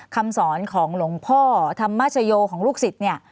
คำสอนของหลวงพ่อธรรมชโยของลูกศิษย์เนี่ย